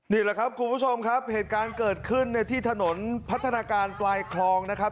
นี่แหละครับคุณผู้ชมครับเหตุการณ์เกิดขึ้นในที่ถนนพัฒนาการปลายคลองนะครับ